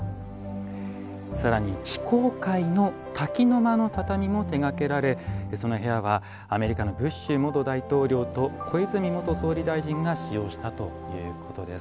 更に非公開の「滝の間」の畳も手がけられその部屋はアメリカのブッシュ元大統領と小泉元総理大臣が使用したということです。